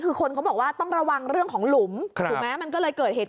คือคนเขาบอกว่าต้องระวังเรื่องของหลุมถูกไหมมันก็เลยเกิดเหตุ